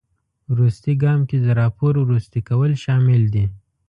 وروستي ګام کې د راپور وروستي کول شامل دي.